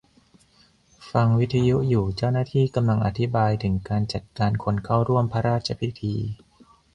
ฟังวิทยุอยู่ เจ้าหน้าที่กำลังอธิบายถึงการจัดการคนเข้าร่วมพระราชพิธี